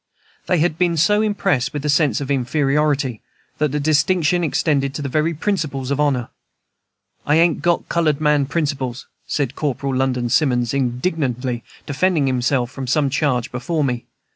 They had been so impressed with a sense of inferiority that the distinction extended to the very principles of honor. "I ain't got colored man principles," said Corporal London Simmons, indignantly defending himself from some charge before me.